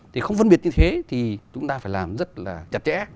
thì không phân biệt như thế thì chúng ta phải làm rất là chặt chẽ